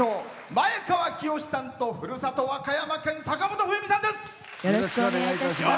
前川清さんとふるさと・和歌山県坂本冬美さんです。